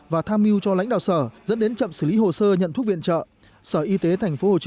và tham mưu cho lãnh đạo sở dẫn đến chậm xử lý hồ sơ nhận thuốc viện trợ